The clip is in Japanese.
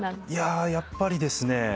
やっぱりですね